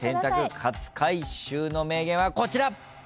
勝海舟の名言はこちら。